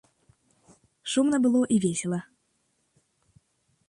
Шумна было і весела.